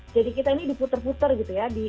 jadi kita ini diputer puter gitu ya